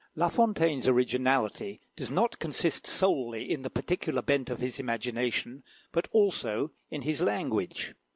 La Fontaine's originality does not consist solely in the particular bent of his imagination, but also in his language.